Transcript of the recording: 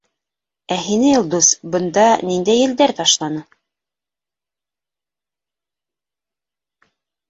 Ә һине, Илдус, бында ниндәй елдәр ташланы?